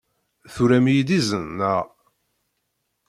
Turam-iyi-d izen, naɣ?